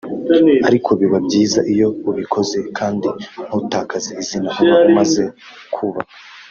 ariko biba byiza iyo ubikoze kandi ntutakaze izina uba umaze kubaka